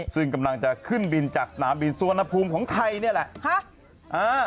ซึ่งกำลังจะขึ้นบินจากสนามบินสุวรรณภูมิของไทยนี่แหละ